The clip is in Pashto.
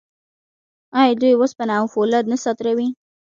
آیا دوی وسپنه او فولاد نه صادروي؟